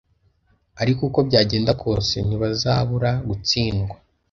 ariko uko byagenda kose ntibazabura gutsindwa.